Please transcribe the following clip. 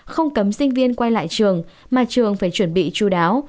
không cấm sinh viên quay lại trường mà trường phải chuẩn bị chú đáo